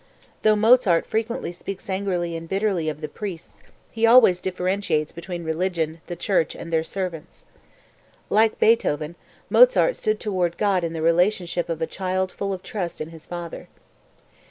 Though Mozart frequently speaks angrily and bitterly of the priests he always differentiates between religion, the church and their servants. Like Beethoven, Mozart stood toward God in the relationship of a child full of trust in his father.